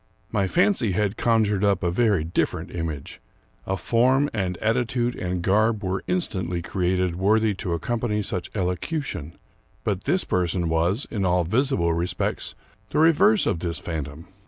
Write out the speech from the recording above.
My fancy had conjured up a very different image. A form and attitude and garb were instantly created worthy to accompany such elocution; but this person was, in all visible respects, the reverse of this phantom.